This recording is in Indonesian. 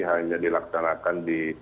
hanya dilaksanakan di